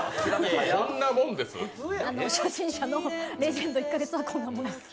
初心者のレジェンド１か月はこんなもんです。